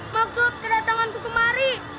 maksud kedatangan kumari